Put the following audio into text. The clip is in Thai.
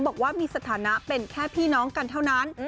บอกว่ามีสถานะเป็นแค่พี่น้องกันเท่านั้น